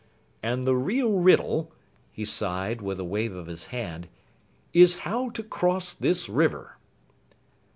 "And the real riddle," he sighed with a wave of his hand, "is how to cross this river."